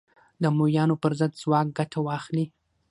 د امویانو پر ضد ځواک ګټه واخلي